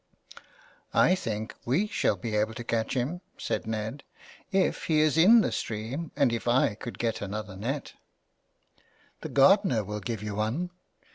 '* I think we shall be able to catch him,'' said Ned, " if he is in the stream and if I could get another net." 317 THE WILD GOOSE. " The gardener will give you one."